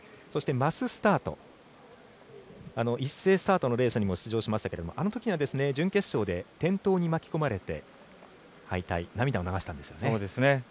そしてマススタート一斉スタートのレースにも出場しましたけれどもあのときは準決勝で転倒に巻き込まれて敗退、涙を流したんですよね。